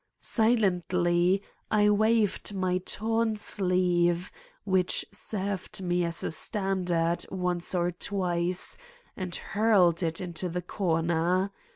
Silently, I waved my torn sleeve, which served me as a standard, once or twice, and hurled it into the corner.